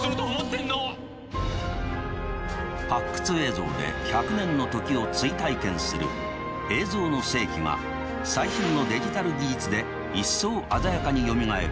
発掘映像で１００年の時を追体験する「映像の世紀」が最新のデジタル技術で一層鮮やかによみがえる